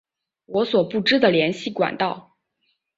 我所不知的联系管道